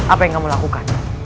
apa yang kamu lakukan